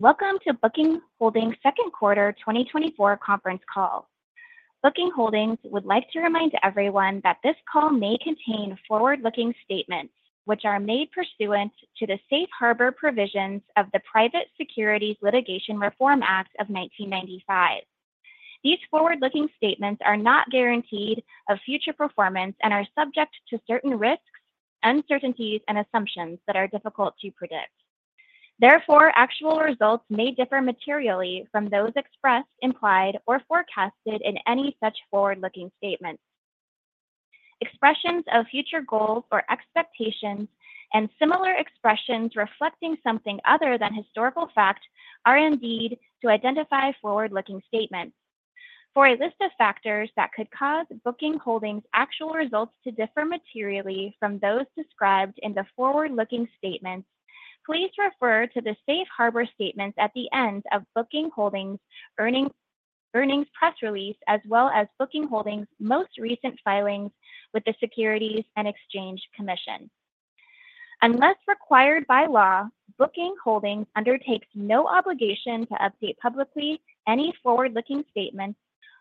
Welcome to Booking Holdings' second quarter 2024 conference call. Booking Holdings would like to remind everyone that this call may contain forward-looking statements, which are made pursuant to the safe harbor provisions of the Private Securities Litigation Reform Act of 1995. These forward-looking statements are not guaranteed of future performance and are subject to certain risks, uncertainties, and assumptions that are difficult to predict. Therefore, actual results may differ materially from those expressed, implied, or forecasted in any such forward-looking statements. Expressions of future goals or expectations and similar expressions reflecting something other than historical fact are indeed to identify forward-looking statements. For a list of factors that could cause Booking Holdings' actual results to differ materially from those described in the forward-looking statements, please refer to the safe harbor statements at the end of Booking Holdings' earnings press release, as well as Booking Holdings' most recent filings with the Securities and Exchange Commission. Unless required by law, Booking Holdings undertakes no obligation to update publicly any forward-looking statements,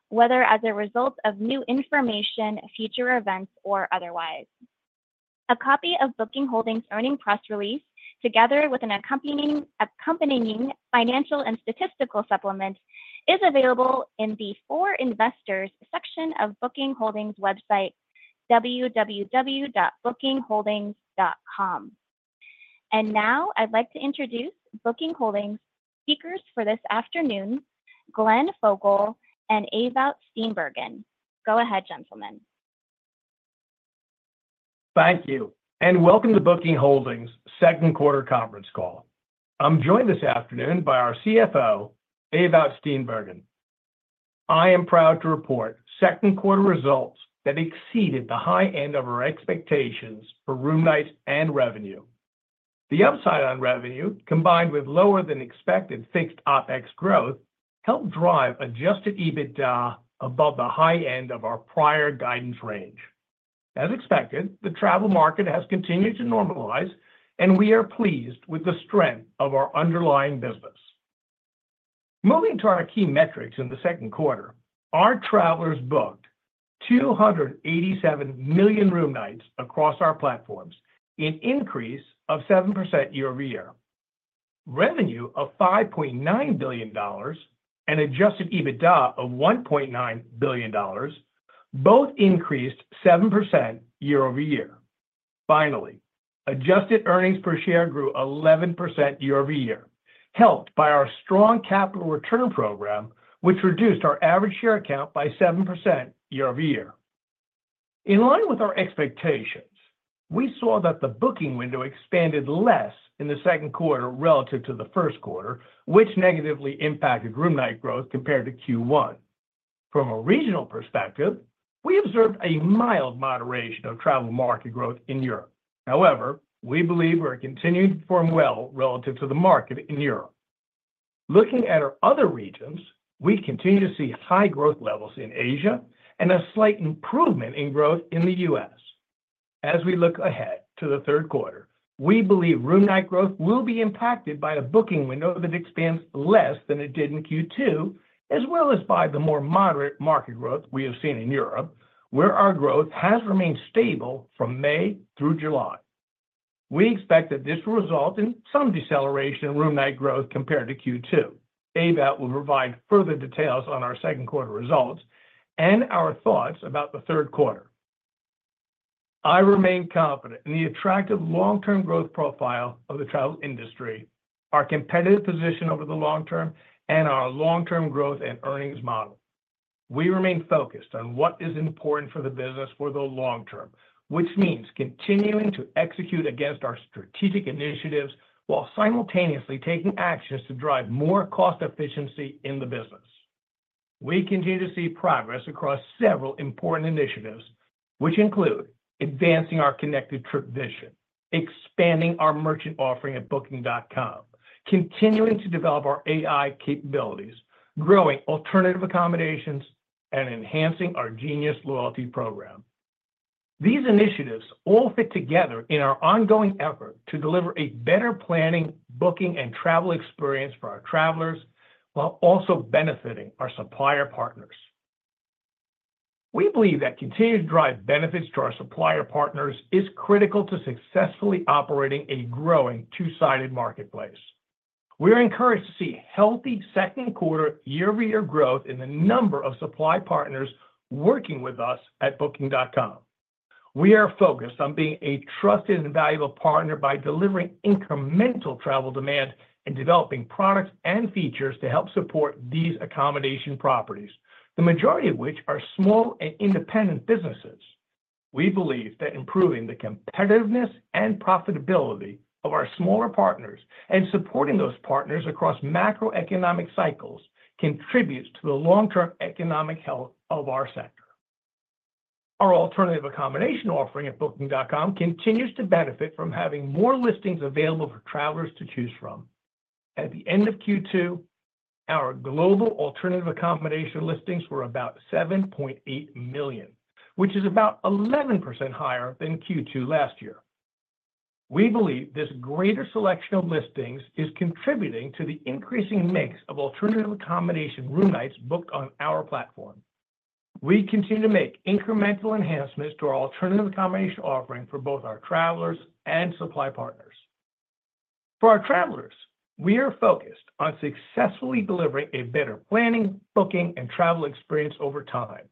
whether as a result of new information, future events, or otherwise. A copy of Booking Holdings' earnings press release, together with an accompanying financial and statistical supplement, is available in the For Investors section of Booking Holdings' website, www.bookingholdings.com. And now I'd like to introduce Booking Holdings' speakers for this afternoon, Glenn Fogel and Ewout Steenbergen. Go ahead, gentlemen. Thank you, and welcome to Booking Holdings' second quarter conference call. I'm joined this afternoon by our CFO, Ewout Steenbergen. I am proud to report second quarter results that exceeded the high end of our expectations for room nights and revenue. The upside on revenue, combined with lower-than-expected fixed OpEx growth, helped drive adjusted EBITDA above the high end of our prior guidance range. As expected, the travel market has continued to normalize, and we are pleased with the strength of our underlying business. Moving to our key metrics in the second quarter, our travelers booked 287 million room nights across our platforms, an increase of 7% year-over-year. Revenue of $5.9 billion and adjusted EBITDA of $1.9 billion both increased 7% year-over-year. Finally, adjusted earnings per share grew 11% year-over-year, helped by our strong capital return program, which reduced our average share count by 7% year-over-year. In line with our expectations, we saw that the booking window expanded less in the second quarter relative to the first quarter, which negatively impacted room night growth compared to Q1. From a regional perspective, we observed a mild moderation of travel market growth in Europe. However, we believe we're continuing to perform well relative to the market in Europe. Looking at our other regions, we continue to see high growth levels in Asia and a slight improvement in growth in the U.S. As we look ahead to the third quarter, we believe room night growth will be impacted by a booking window that expands less than it did in Q2, as well as by the more moderate market growth we have seen in Europe, where our growth has remained stable from May through July. We expect that this will result in some deceleration in room night growth compared to Q2. Ewout will provide further details on our second quarter results and our thoughts about the third quarter. I remain confident in the attractive long-term growth profile of the travel industry, our competitive position over the long term, and our long-term growth and earnings model. We remain focused on what is important for the business for the long term, which means continuing to execute against our strategic initiatives while simultaneously taking actions to drive more cost efficiency in the business. We continue to see progress across several important initiatives, which include advancing our Connected Trip vision, expanding our merchant offering at Booking.com, continuing to develop our AI capabilities, growing alternative accommodations, and enhancing our Genius Loyalty program. These initiatives all fit together in our ongoing effort to deliver a better planning, booking, and travel experience for our travelers while also benefiting our supplier partners. We believe that continuing to drive benefits to our supplier partners is critical to successfully operating a growing two-sided marketplace. We are encouraged to see healthy second quarter year-over-year growth in the number of supply partners working with us at Booking.com. We are focused on being a trusted and valuable partner by delivering incremental travel demand and developing products and features to help support these accommodation properties, the majority of which are small and independent businesses. We believe that improving the competitiveness and profitability of our smaller partners and supporting those partners across macroeconomic cycles contributes to the long-term economic health of our sector. Our alternative accommodation offering at Booking.com continues to benefit from having more listings available for travelers to choose from. At the end of Q2, our global alternative accommodation listings were about 7.8 million, which is about 11% higher than Q2 last year. We believe this greater selection of listings is contributing to the increasing mix of alternative accommodation room nights booked on our platform. We continue to make incremental enhancements to our alternative accommodation offering for both our travelers and supply partners. For our travelers, we are focused on successfully delivering a better planning, booking, and travel experience over time,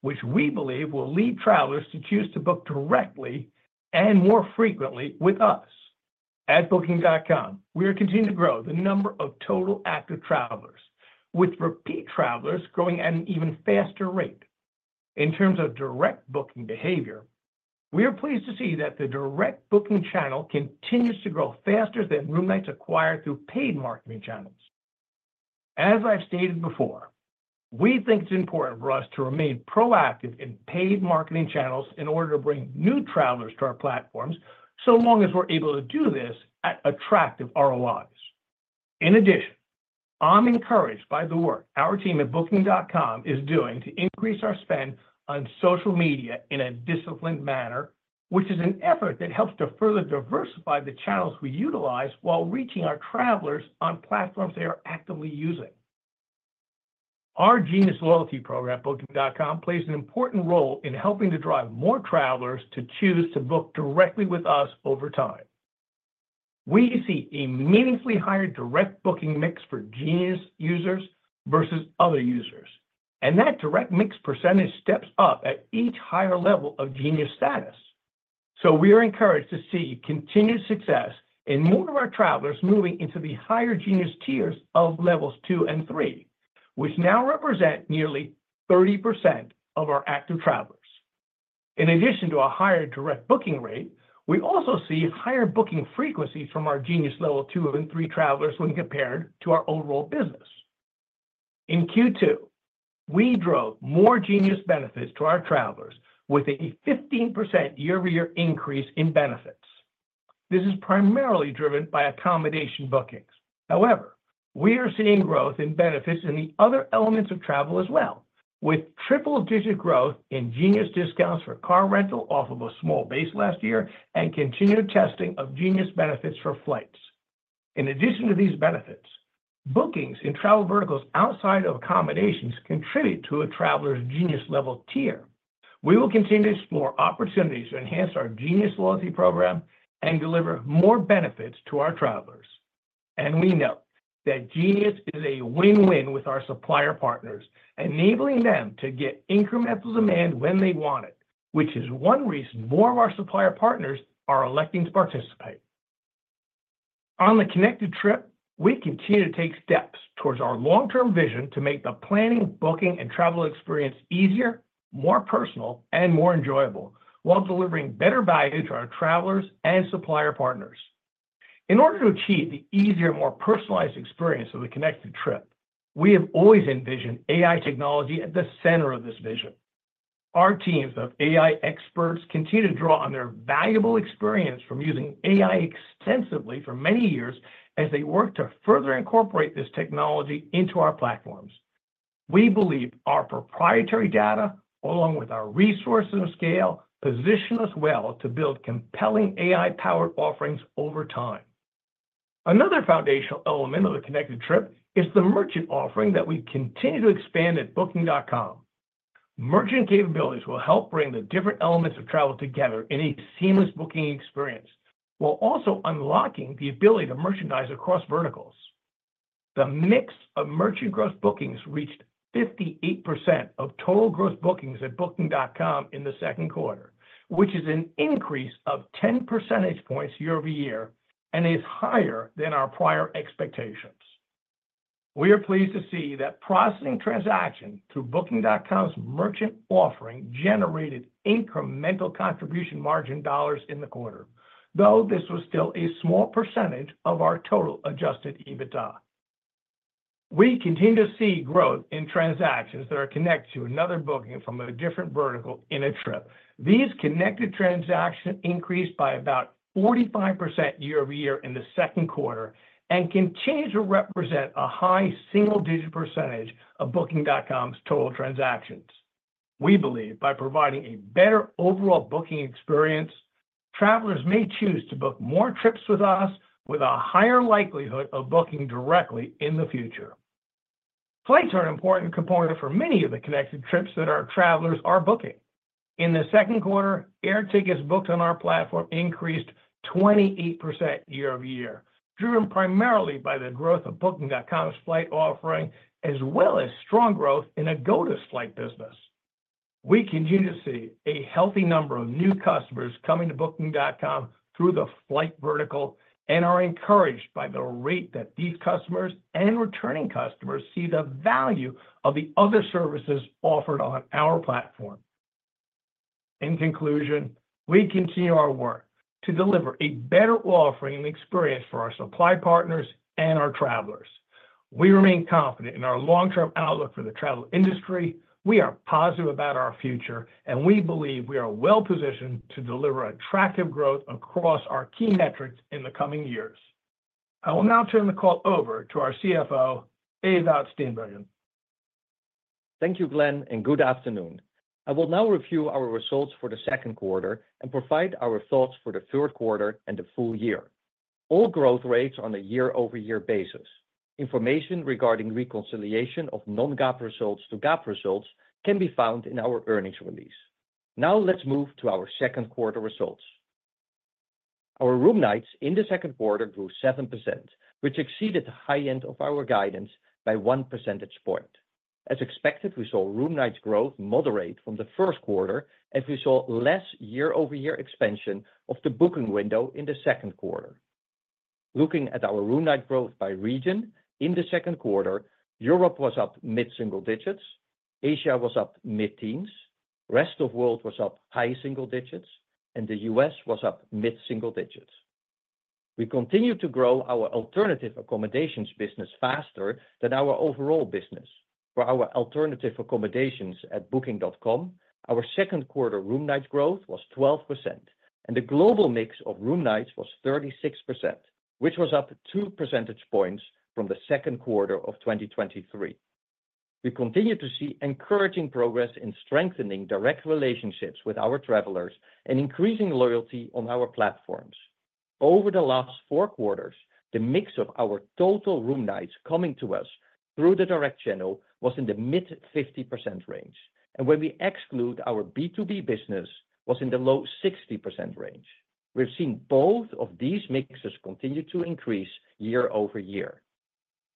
which we believe will lead travelers to choose to book directly and more frequently with us. At Booking.com, we are continuing to grow the number of total active travelers, with repeat travelers growing at an even faster rate. In terms of direct booking behavior, we are pleased to see that the direct booking channel continues to grow faster than room nights acquired through paid marketing channels. As I've stated before, we think it's important for us to remain proactive in paid marketing channels in order to bring new travelers to our platforms, so long as we're able to do this at attractive ROIs. In addition, I'm encouraged by the work our team at Booking.com is doing to increase our spend on social media in a disciplined manner, which is an effort that helps to further diversify the channels we utilize while reaching our travelers on platforms they are actively using. Our Genius Loyalty program, Booking.com, plays an important role in helping to drive more travelers to choose to book directly with us over time. We see a meaningfully higher direct booking mix for Genius users versus other users, and that direct mix percentage steps up at each higher level of Genius status. So we are encouraged to see continued success in more of our travelers moving into the higher Genius tiers of Levels 2 and 3, which now represent nearly 30% of our active travelers. In addition to a higher direct booking rate, we also see higher booking frequency from our Genius Level 2 and 3 travelers when compared to our overall business. In Q2, we drove more Genius benefits to our travelers with a 15% year-over-year increase in benefits. This is primarily driven by accommodation bookings. However, we are seeing growth in benefits in the other elements of travel as well, with triple-digit growth in Genius discounts for car rental off of a small base last year and continued testing of Genius benefits for flights. In addition to these benefits, bookings in travel verticals outside of accommodations contribute to a traveler's Genius level tier. We will continue to explore opportunities to enhance our Genius Loyalty program and deliver more benefits to our travelers. We know that Genius is a win-win with our supplier partners, enabling them to get incremental demand when they want it, which is one reason more of our supplier partners are electing to participate. On the Connected Trip, we continue to take steps towards our long-term vision to make the planning, booking, and travel experience easier, more personal, and more enjoyable while delivering better value to our travelers and supplier partners. In order to achieve the easier and more personalized experience of the Connected Trip, we have always envisioned AI technology at the center of this vision. Our teams of AI experts continue to draw on their valuable experience from using AI extensively for many years as they work to further incorporate this technology into our platforms. We believe our proprietary data, along with our resources and scale, position us well to build compelling AI-powered offerings over time. Another foundational element of the Connected Trip is the merchant offering that we continue to expand at Booking.com. Merchant capabilities will help bring the different elements of travel together in a seamless booking experience while also unlocking the ability to merchandise across verticals. The mix of merchant gross bookings reached 58% of total gross bookings at Booking.com in the second quarter, which is an increase of 10 percentage points year-over-year and is higher than our prior expectations. We are pleased to see that processing transaction through Booking.com's merchant offering generated incremental contribution margin dollars in the quarter, though this was still a small percentage of our total adjusted EBITDA. We continue to see growth in transactions that are connected to another booking from a different vertical in a trip. These connected transactions increased by about 45% year-over-year in the second quarter and continue to represent a high single-digit percentage of Booking.com's total transactions. We believe by providing a better overall booking experience, travelers may choose to book more trips with us with a higher likelihood of booking directly in the future. Flights are an important component for many of the Connected Trips that our travelers are booking. In the second quarter, air tickets booked on our platform increased 28% year-over-year, driven primarily by the growth of Booking.com's flight offering, as well as strong growth in Agoda flight business. We continue to see a healthy number of new customers coming to Booking.com through the flight vertical and are encouraged by the rate that these customers and returning customers see the value of the other services offered on our platform. In conclusion, we continue our work to deliver a better offering and experience for our supply partners and our travelers. We remain confident in our long-term outlook for the travel industry. We are positive about our future, and we believe we are well-positioned to deliver attractive growth across our key metrics in the coming years. I will now turn the call over to our CFO, Ewout Steenbergen. Thank you, Glenn, and good afternoon. I will now review our results for the second quarter and provide our thoughts for the third quarter and the full year. All growth rates on a year-over-year basis. Information regarding reconciliation of non-GAAP results to GAAP results can be found in our earnings release. Now let's move to our second quarter results. Our room nights in the second quarter grew 7%, which exceeded the high end of our guidance by 1 percentage point. As expected, we saw room nights growth moderate from the first quarter, as we saw less year-over-year expansion of the booking window in the second quarter. Looking at our room night growth by region in the second quarter, Europe was up mid-single digits, Asia was up mid-teens, the rest of the world was up high single digits, and the U.S. was up mid-single digits. We continue to grow our alternative accommodations business faster than our overall business. For our alternative accommodations at Booking.com, our second quarter room night growth was 12%, and the global mix of room nights was 36%, which was up 2 percentage points from the second quarter of 2023. We continue to see encouraging progress in strengthening direct relationships with our travelers and increasing loyalty on our platforms. Over the last four quarters, the mix of our total room nights coming to us through the direct channel was in the mid-50% range, and when we exclude our B2B business, it was in the low-60% range. We've seen both of these mixes continue to increase year-over-year.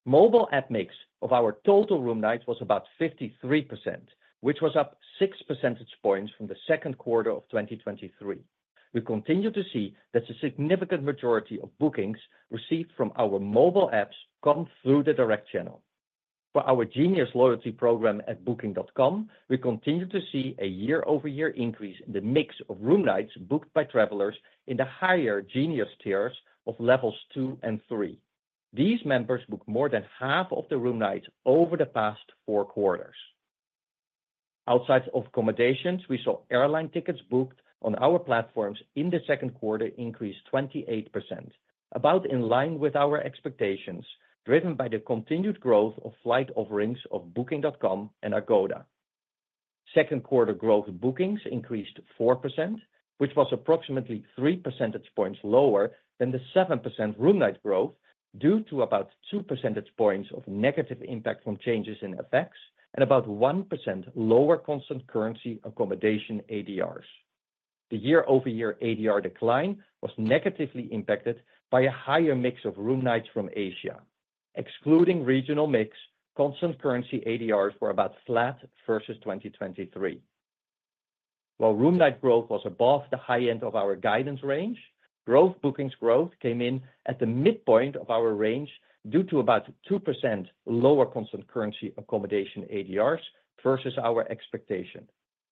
Mobile app mix of our total room nights was about 53%, which was up 6 percentage points from the second quarter of 2023. We continue to see that the significant majority of bookings received from our mobile apps come through the direct channel. For our Genius Loyalty program at Booking.com, we continue to see a year-over-year increase in the mix of room nights booked by travelers in the higher Genius tiers of Levels 2 and 3. These members booked more than half of the room nights over the past four quarters. Outside of accommodations, we saw airline tickets booked on our platforms in the second quarter increase 28%, about in line with our expectations, driven by the continued growth of flight offerings of Booking.com and Agoda. Second quarter gross bookings increased 4%, which was approximately 3 percentage points lower than the 7% room night growth due to about 2 percentage points of negative impact from changes in FX and about 1% lower constant currency accommodation ADRs. The year-over-year ADR decline was negatively impacted by a higher mix of room nights from Asia. Excluding regional mix, constant currency ADRs were about flat versus 2023. While room night growth was above the high end of our guidance range, gross bookings growth came in at the midpoint of our range due to about 2% lower constant currency accommodation ADRs versus our expectation.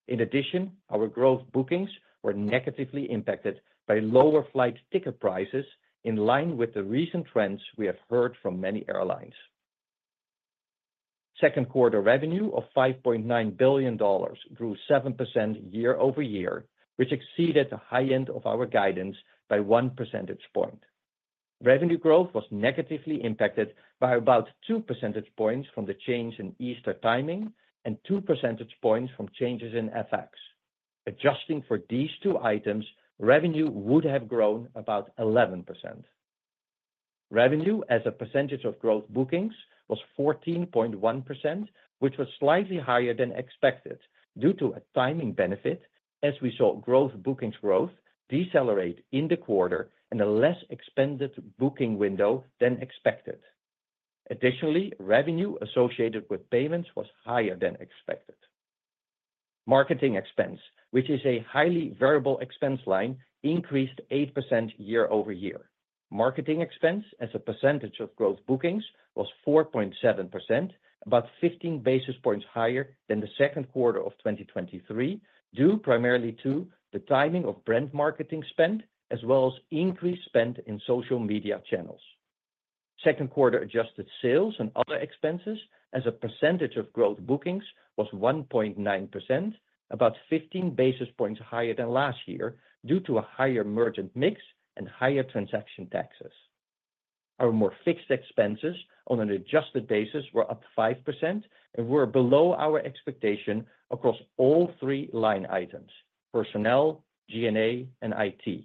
In addition, our gross bookings were negatively impacted by lower flight ticket prices in line with the recent trends we have heard from many airlines. Second quarter revenue of $5.9 billion grew 7% year-over-year, which exceeded the high end of our guidance by 1 percentage point. Revenue growth was negatively impacted by about 2 percentage points from the change in Easter timing and 2 percentage points from changes in FX. Adjusting for these two items, revenue would have grown about 11%. Revenue as a percentage of gross bookings was 14.1%, which was slightly higher than expected due to a timing benefit, as we saw gross bookings growth decelerate in the quarter and a less expanded booking window than expected. Additionally, revenue associated with payments was higher than expected. Marketing expense, which is a highly variable expense line, increased 8% year-over-year. Marketing expense as a percentage of gross bookings was 4.7%, about 15 basis points higher than the second quarter of 2023, due primarily to the timing of brand marketing spend, as well as increased spend in social media channels. Second quarter adjusted sales and other expenses as a percentage of gross bookings was 1.9%, about 15 basis points higher than last year due to a higher merchant mix and higher transaction taxes. Our more fixed expenses on an adjusted basis were up 5% and were below our expectation across all three line items: personnel, G&A, and IT.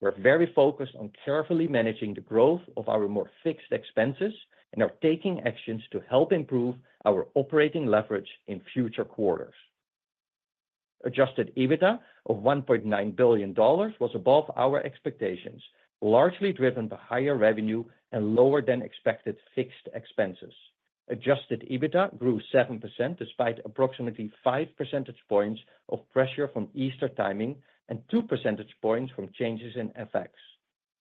We're very focused on carefully managing the growth of our more fixed expenses and are taking actions to help improve our operating leverage in future quarters. Adjusted EBITDA of $1.9 billion was above our expectations, largely driven by higher revenue and lower than expected fixed expenses. Adjusted EBITDA grew 7% despite approximately 5 percentage points of pressure from Easter timing and 2 percentage points from changes in FX.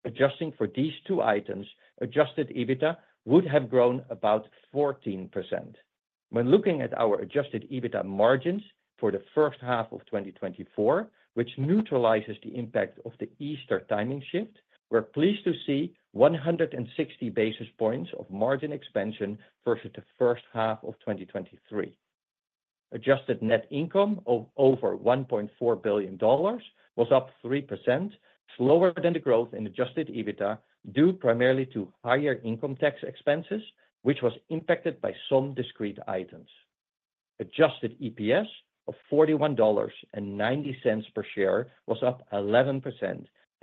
Adjusting for these two items, adjusted EBITDA would have grown about 14%. When looking at our adjusted EBITDA margins for the first half of 2024, which neutralizes the impact of the Easter timing shift, we're pleased to see 160 basis points of margin expansion versus the first half of 2023. Adjusted net income of over $1.4 billion was up 3%, slower than the growth in adjusted EBITDA due primarily to higher income tax expenses, which was impacted by some discrete items. Adjusted EPS of $41.90 per share was up 11%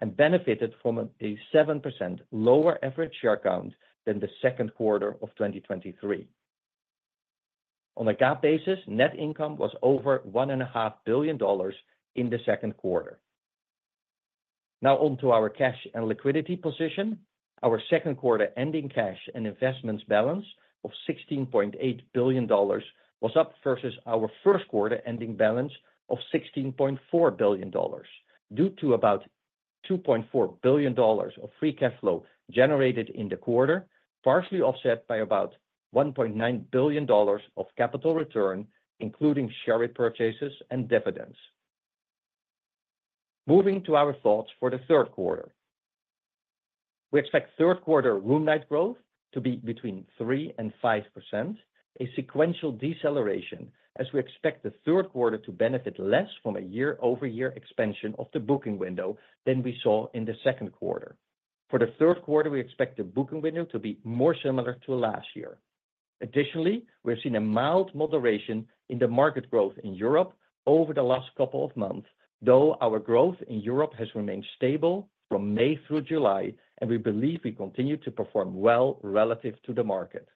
and benefited from a 7% lower average share count than the second quarter of 2023. On a GAAP basis, net income was over $1.5 billion in the second quarter. Now on to our cash and liquidity position. Our second quarter ending cash and investments balance of $16.8 billion was up versus our first quarter ending balance of $16.4 billion, due to about $2.4 billion of free cash flow generated in the quarter, partially offset by about $1.9 billion of capital return, including share purchases and dividends. Moving to our thoughts for the third quarter. We expect third quarter room night growth to be between 3% and 5%, a sequential deceleration, as we expect the third quarter to benefit less from a year-over-year expansion of the booking window than we saw in the second quarter. For the third quarter, we expect the booking window to be more similar to last year. Additionally, we've seen a mild moderation in the market growth in Europe over the last couple of months, though our growth in Europe has remained stable from May through July, and we believe we continue to perform well relative to the market.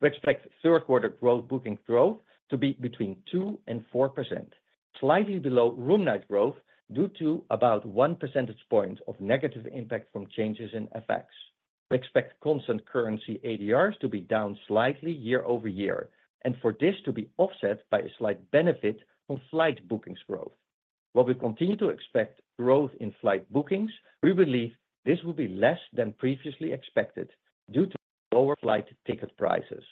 We expect third quarter booking growth to be between 2% and 4%, slightly below room night growth due to about 1 percentage point of negative impact from changes in FX. We expect constant currency ADRs to be down slightly year-over-year and for this to be offset by a slight benefit from flight bookings growth. While we continue to expect growth in flight bookings, we believe this will be less than previously expected due to lower flight ticket prices.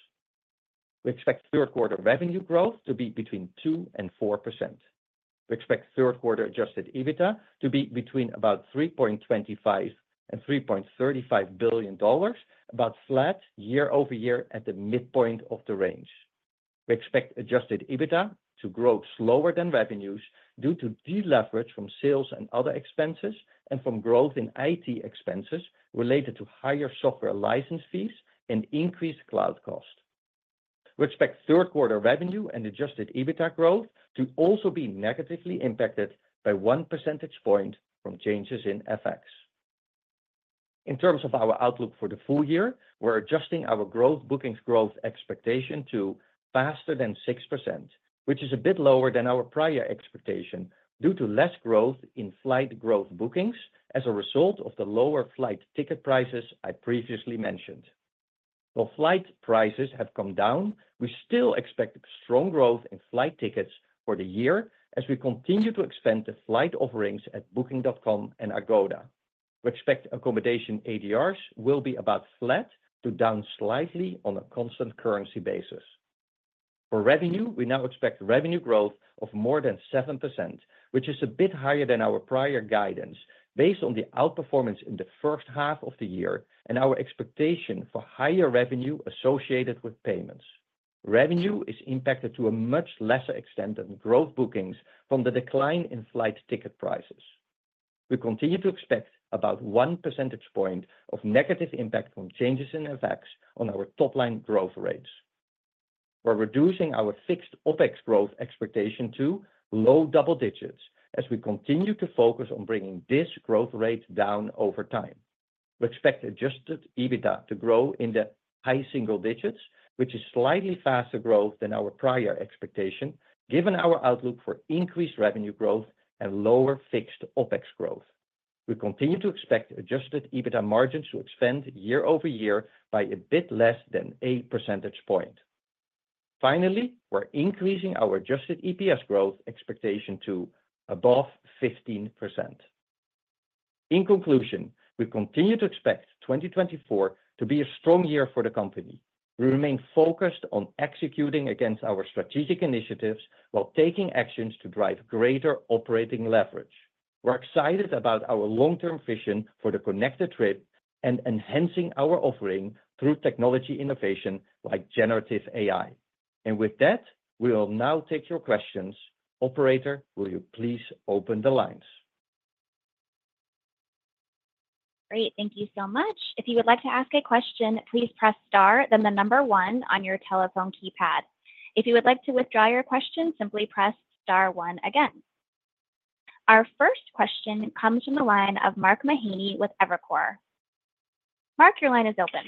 We expect third quarter revenue growth to be between 2%-4%. We expect third quarter adjusted EBITDA to be between about $3.25 billion-$3.35 billion, about flat year-over-year at the midpoint of the range. We expect adjusted EBITDA to grow slower than revenues due to deleverage from sales and other expenses and from growth in IT expenses related to higher software license fees and increased cloud cost. We expect third quarter revenue and adjusted EBITDA growth to also be negatively impacted by 1 percentage point from changes in FX. In terms of our outlook for the full year, we're adjusting our growth bookings growth expectation to faster than 6%, which is a bit lower than our prior expectation due to less growth in flight growth bookings as a result of the lower flight ticket prices I previously mentioned. While flight prices have come down, we still expect strong growth in flight tickets for the year as we continue to expand the flight offerings at Booking.com and Agoda. We expect accommodation ADRs will be about flat to down slightly on a constant currency basis. For revenue, we now expect revenue growth of more than 7%, which is a bit higher than our prior guidance based on the outperformance in the first half of the year and our expectation for higher revenue associated with payments. Revenue is impacted to a much lesser extent than gross bookings from the decline in flight ticket prices. We continue to expect about 1 percentage point of negative impact from changes in FX on our top-line growth rates. We're reducing our fixed OpEx growth expectation to low double digits as we continue to focus on bringing this growth rate down over time. We expect adjusted EBITDA to grow in the high single digits, which is slightly faster growth than our prior expectation, given our outlook for increased revenue growth and lower fixed OpEx growth. We continue to expect adjusted EBITDA margins to expand year-over-year by a bit less than 8 percentage points. Finally, we're increasing our adjusted EPS growth expectation to above 15%. In conclusion, we continue to expect 2024 to be a strong year for the company. We remain focused on executing against our strategic initiatives while taking actions to drive greater operating leverage. We're excited about our long-term vision for the Connected Trip and enhancing our offering through technology innovation like generative AI. And with that, we will now take your questions. Operator, will you please open the lines? Great. Thank you so much. If you would like to ask a question, please press star then the number one on your telephone keypad. If you would like to withdraw your question, simply press star one again. Our first question comes from the line of Mark Mahaney with Evercore. Mark, your line is open.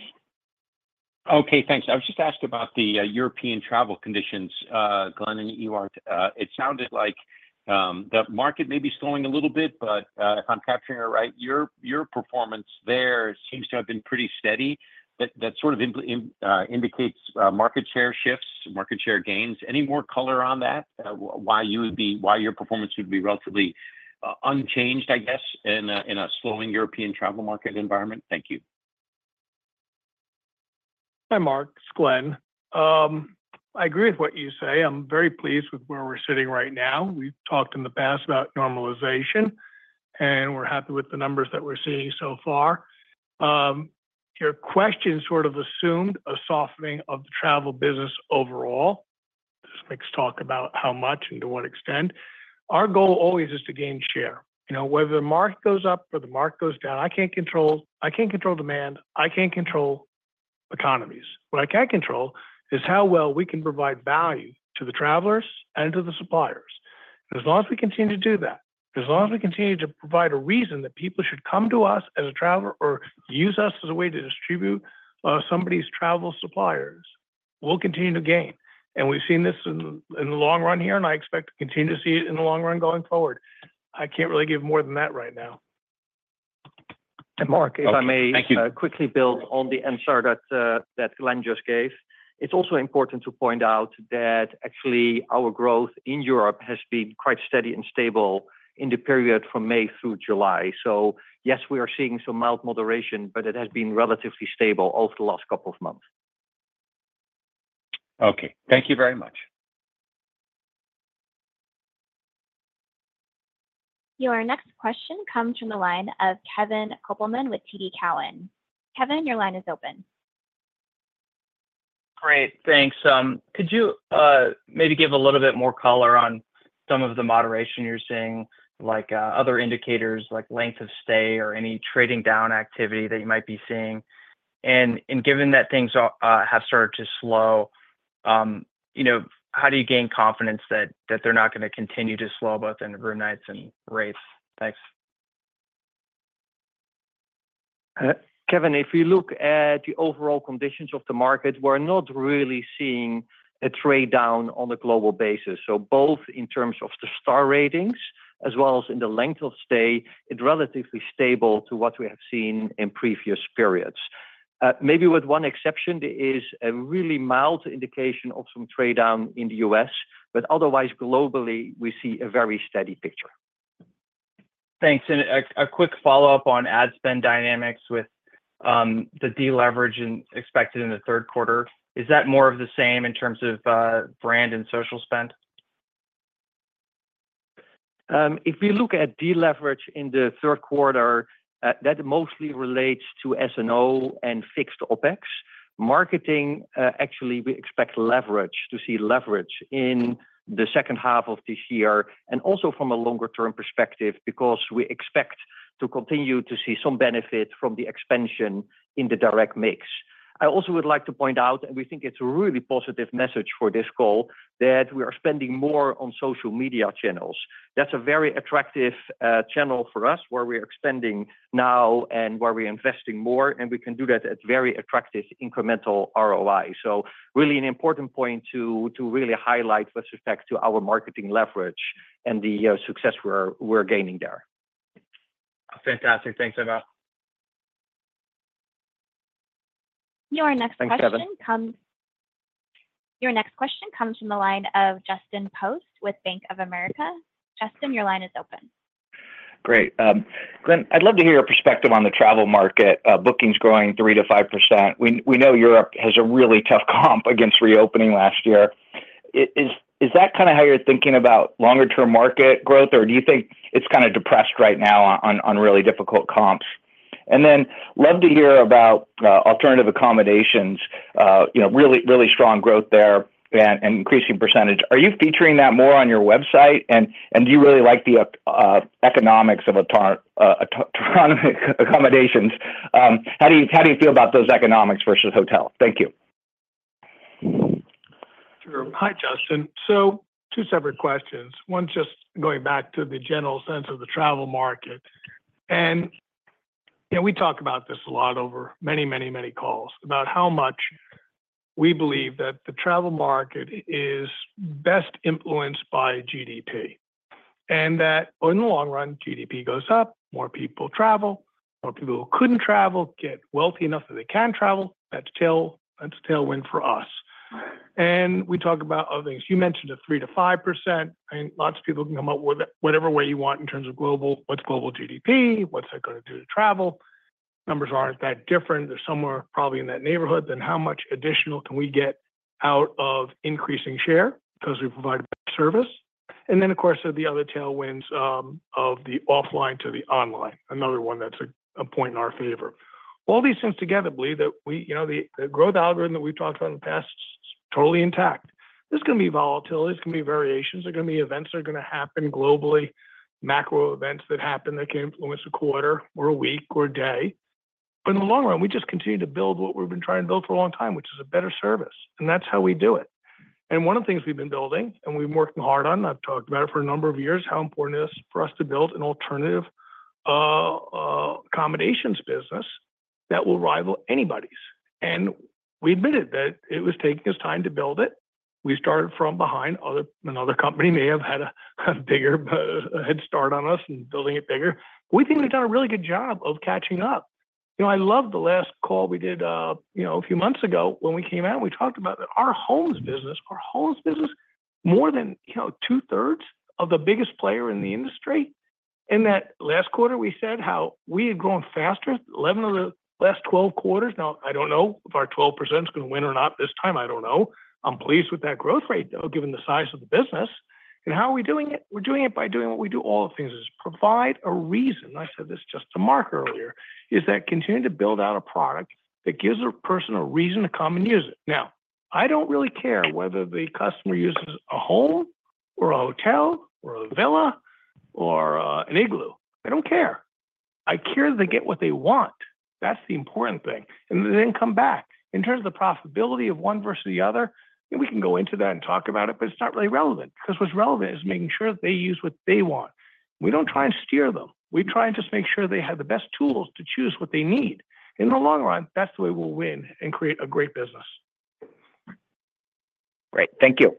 Okay, thanks. I was just asked about the European travel conditions, Glenn, and you're. It sounded like the market may be slowing a little bit, but if I'm capturing it right, your performance there seems to have been pretty steady. That sort of indicates market share shifts, market share gains. Any more color on that? Why your performance would be relatively unchanged, I guess, in a slowing European travel market environment? Thank you. Hi, Mark. It's Glenn. I agree with what you say. I'm very pleased with where we're sitting right now. We've talked in the past about normalization, and we're happy with the numbers that we're seeing so far. Your question sort of assumed a softening of the travel business overall. This makes talk about how much and to what extent. Our goal always is to gain share. Whether the market goes up or the market goes down, I can't control demand. I can't control economies. What I can control is how well we can provide value to the travelers and to the suppliers. As long as we continue to do that, as long as we continue to provide a reason that people should come to us as a traveler or use us as a way to distribute somebody's travel suppliers, we'll continue to gain. And we've seen this in the long run here, and I expect to continue to see it in the long run going forward. I can't really give more than that right now. And Mark, if I may quickly build on the answer that Glenn just gave, it's also important to point out that actually our growth in Europe has been quite steady and stable in the period from May through July. So yes, we are seeing some mild moderation, but it has been relatively stable over the last couple of months. Okay. Thank you very much. Your next question comes from the line of Kevin Kopelman with TD Cowen. Kevin, your line is open. Great. Thanks. Could you maybe give a little bit more color on some of the moderation you're seeing, like other indicators like length of stay or any trading down activity that you might be seeing? And given that things have started to slow, how do you gain confidence that they're not going to continue to slow both in room nights and rates? Thanks. Kevin, if you look at the overall conditions of the market, we're not really seeing a trade down on a global basis. So both in terms of the star ratings as well as in the length of stay, it's relatively stable to what we have seen in previous periods. Maybe with one exception, there is a really mild indication of some trade down in the U.S., but otherwise globally, we see a very steady picture. Thanks. A quick follow-up on ad spend dynamics with the deleveraging expected in the third quarter. Is that more of the same in terms of brand and social spend? If you look at deleverage in the third quarter, that mostly relates to S&O and fixed OpEx. Marketing, actually, we expect leverage to see leverage in the second half of this year and also from a longer-term perspective because we expect to continue to see some benefit from the expansion in the direct mix. I also would like to point out, and we think it's a really positive message for this call, that we are spending more on social media channels. That's a very attractive channel for us where we're expanding now and where we're investing more, and we can do that at very attractive incremental ROI. So really an important point to really highlight with respect to our marketing leverage and the success we're gaining there. Fantastic. Thanks for that. Your next question comes from the line of Justin Post with Bank of America. Justin, your line is open. Great. Glenn, I'd love to hear your perspective on the travel market, bookings growing 3%-5%. We know Europe has a really tough comp against reopening last year. Is that kind of how you're thinking about longer-term market growth, or do you think it's kind of depressed right now on really difficult comps? And then love to hear about alternative accommodations, really strong growth there and increasing percentage. Are you featuring that more on your website? And do you really like the economics of alternative accommodations? How do you feel about those economics versus hotel? Thank you. Sure. Hi, Justin. So two separate questions. One's just going back to the general sense of the travel market. We talk about this a lot over many, many, many calls about how much we believe that the travel market is best influenced by GDP and that in the long run, GDP goes up, more people travel, more people who couldn't travel get wealthy enough that they can travel. That's a tailwind for us. We talk about other things. You mentioned a 3%-5%. I mean, lots of people can come up with whatever way you want in terms of global, what's global GDP, what's that going to do to travel? Numbers aren't that different. They're somewhere probably in that neighborhood. Then how much additional can we get out of increasing share because we provide a better service? And then, of course, the other tailwinds of the offline to the online, another one that's a point in our favor. All these things together believe that the growth algorithm that we've talked about in the past is totally intact. There's going to be volatility. There's going to be variations. There are going to be events that are going to happen globally, macro events that happen that can influence a quarter or a week or a day. But in the long run, we just continue to build what we've been trying to build for a long time, which is a better service. And that's how we do it. And one of the things we've been building and we've been working hard on, and I've talked about it for a number of years, how important it is for us to build an alternative accommodations business that will rival anybody's. And we admitted that it was taking us time to build it. We started from behind. Another company may have had a bigger head start on us in building it bigger. We think we've done a really good job of catching up. I loved the last call we did a few months ago when we came out and we talked about our homes business. Our homes business, more than two-thirds of the biggest player in the industry. In that last quarter, we said how we had grown faster 11 of the last 12 quarters. Now, I don't know if our 12% is going to win or not this time. I don't know. I'm pleased with that growth rate, though, given the size of the business. And how are we doing it? We're doing it by doing what we do all the things is provide a reason. I said this just to Mark earlier. Is that continue to build out a product that gives a person a reason to come and use it. Now, I don't really care whether the customer uses a home or a hotel or a villa or an igloo. I don't care. I care that they get what they want. That's the important thing. And then come back. In terms of the profitability of one versus the other, we can go into that and talk about it, but it's not really relevant because what's relevant is making sure that they use what they want. We don't try and steer them. We try and just make sure they have the best tools to choose what they need. In the long run, that's the way we'll win and create a great business. Great. Thank you.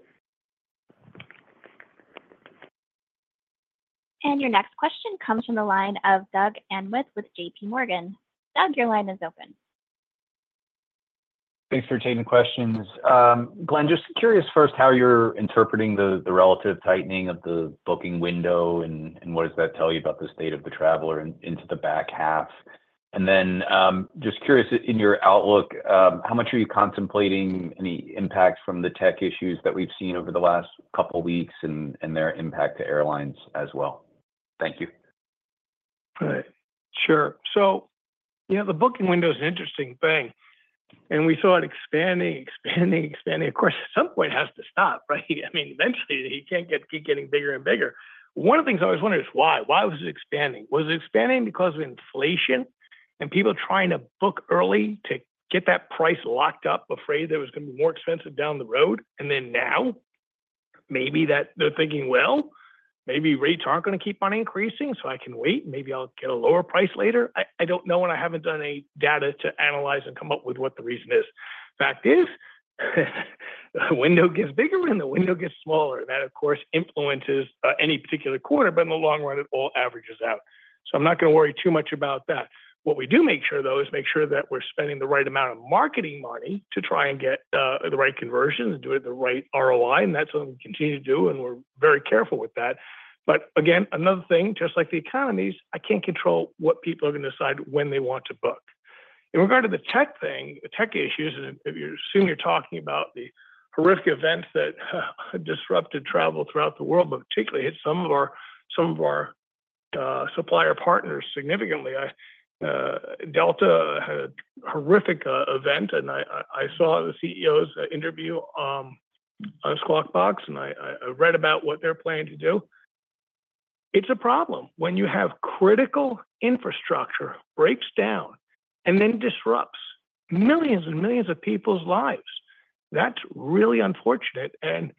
And your next question comes from the line of Doug Anmuth with J.P. Morgan. Doug, your line is open. Thanks for taking questions. Glenn, just curious first how you're interpreting the relative tightening of the booking window and what does that tell you about the state of the traveler into the back half. And then just curious in your outlook, how much are you contemplating any impact from the tech issues that we've seen over the last couple of weeks and their impact to airlines as well? Thank you. All right. Sure. So the booking window is an interesting thing. And we saw it expanding, expanding, expanding. Of course, at some point, it has to stop, right? I mean, eventually, you can't keep getting bigger and bigger. One of the things I always wonder is why. Why was it expanding? Was it expanding because of inflation and people trying to book early to get that price locked up, afraid there was going to be more expensive down the road? And then now, maybe they're thinking, "Well, maybe rates aren't going to keep on increasing, so I can wait. Maybe I'll get a lower price later." I don't know, and I haven't done any data to analyze and come up with what the reason is. Fact is, the window gets bigger and the window gets smaller. That, of course, influences any particular quarter, but in the long run, it all averages out. So I'm not going to worry too much about that. What we do make sure, though, is make sure that we're spending the right amount of marketing money to try and get the right conversions and do it at the right ROI. And that's something we continue to do, and we're very careful with that. But again, another thing, just like the economies, I can't control what people are going to decide when they want to book. In regard to the tech thing, the tech issues, and I assume you're talking about the horrific events that disrupted travel throughout the world, but particularly hit some of our supplier partners significantly. Delta had a horrific event, and I saw the CEO's interview on Squawk Box, and I read about what they're planning to do. It's a problem when you have critical infrastructure break down and then disrupts millions and millions of people's lives. That's really unfortunate. And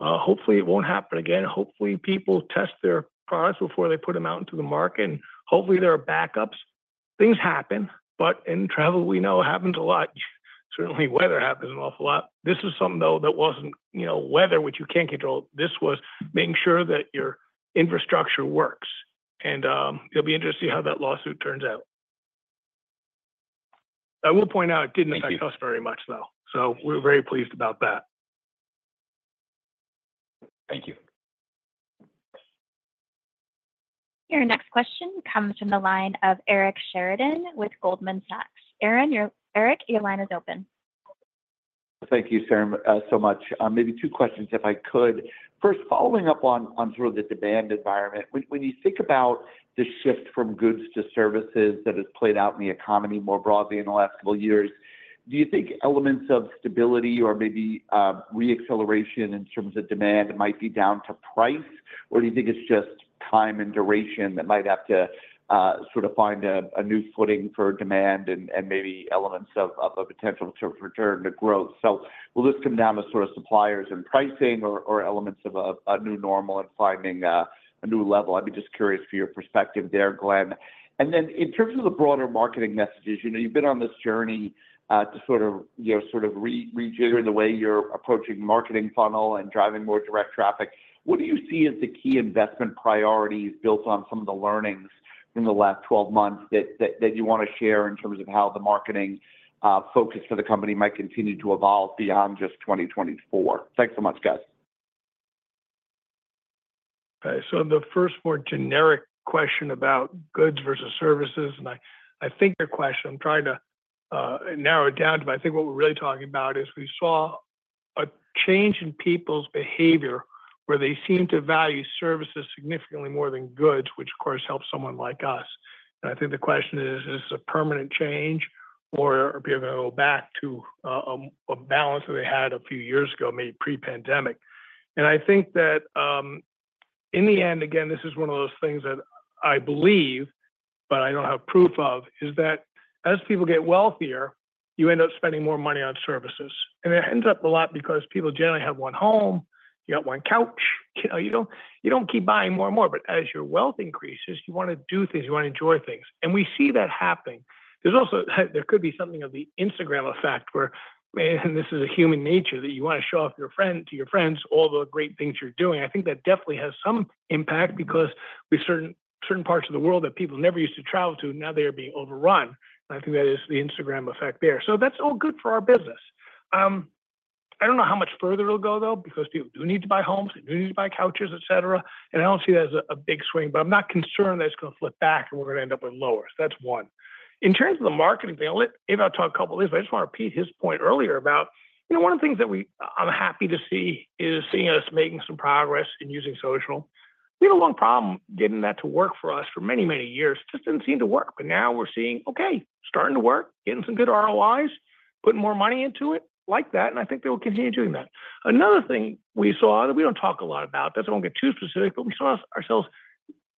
hopefully, it won't happen again. Hopefully, people test their products before they put them out into the market, and hopefully, there are backups. Things happen, but in travel, we know it happens a lot. Certainly, weather happens an awful lot. This is something, though, that wasn't weather, which you can't control. This was making sure that your infrastructure works. And it'll be interesting to see how that lawsuit turns out. I will point out it didn't affect us very much, though. So we're very pleased about that. Thank you. Your next question comes from the line of Eric Sheridan with Goldman Sachs. Eric, your line is open. Thank you so much. Maybe two questions, if I could. First, following up on sort of the demand environment, when you think about the shift from goods to services that has played out in the economy more broadly in the last couple of years, do you think elements of stability or maybe re-acceleration in terms of demand might be down to price, or do you think it's just time and duration that might have to sort of find a new footing for demand and maybe elements of a potential return to growth? So will this come down to sort of suppliers and pricing or elements of a new normal and finding a new level? I'd be just curious for your perspective there, Glenn. And then in terms of the broader marketing messages, you've been on this journey to sort of rejigger the way you're approaching marketing funnel and driving more direct traffic. What do you see as the key investment priorities built on some of the learnings in the last 12 months that you want to share in terms of how the marketing focus for the company might continue to evolve beyond just 2024? Thanks so much, guys. Okay. So the first more generic question about goods versus services, and I think your question, I'm trying to narrow it down to, but I think what we're really talking about is we saw a change in people's behavior where they seem to value services significantly more than goods, which, of course, helps someone like us. And I think the question is, is this a permanent change or are people going to go back to a balance that they had a few years ago, maybe pre-pandemic? And I think that in the end, again, this is one of those things that I believe, but I don't have proof of, is that as people get wealthier, you end up spending more money on services. And it ends up a lot because people generally have one home, you got one couch. You don't keep buying more and more, but as your wealth increases, you want to do things, you want to enjoy things. And we see that happening. There could be something of the Instagram effect where, and this is a human nature, that you want to show off to your friends all the great things you're doing. I think that definitely has some impact because there are certain parts of the world that people never used to travel to, now they're being overrun. And I think that is the Instagram effect there. So that's all good for our business. I don't know how much further it'll go, though, because people do need to buy homes, they do need to buy couches, etc. And I don't see that as a big swing, but I'm not concerned that it's going to flip back and we're going to end up with lowers. That's one. In terms of the marketing thing, I'll let Ewout talk a couple of things, but I just want to repeat his point earlier about one of the things that I'm happy to see is seeing us making some progress in using social. We had a long problem getting that to work for us for many, many years. It just didn't seem to work. But now we're seeing, okay, starting to work, getting some good ROIs, putting more money into it like that, and I think they will continue doing that. Another thing we saw that we don't talk a lot about, that's why I won't get too specific, but we saw ourselves